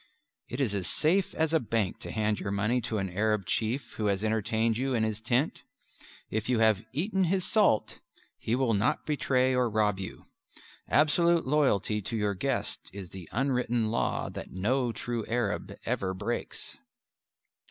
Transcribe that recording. (It is as safe as a bank to hand your money to an Arab chief who has entertained you in his tent. If you have "eaten his salt" he will not betray or rob you. Absolute loyalty to your guest is the unwritten law that no true Arab ever breaks.)